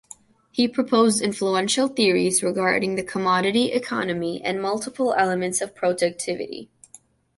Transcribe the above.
He proposed influential theories regarding the commodity economy and multiple elements of productivity.